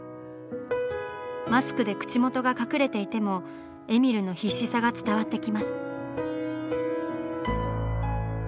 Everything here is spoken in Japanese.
マスクで口元が隠れていてもえみるの必死さが伝わってきます。